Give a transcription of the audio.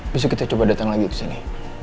besok kita coba datang lagi kesini